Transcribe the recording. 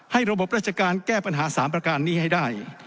ระบบราชการแก้ปัญหา๓ประการนี้ให้ได้